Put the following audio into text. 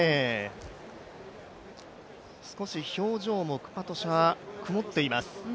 少し表情もクパトシャ曇っています。